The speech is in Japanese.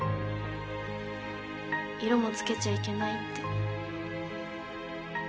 色も付けちゃいけないって。